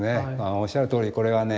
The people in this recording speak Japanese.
おっしゃるとおりこれはね